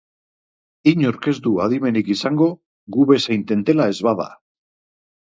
Inork ez du adimenik izango, gu bezain tentela ez bada.